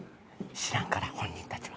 知らんから、本人たちは。